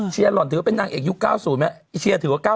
เชียร์หล่อนถือว่าเป็นนางเอกยุค๙๐มั้ยเชียร์ถือว่า๙๐เนาะ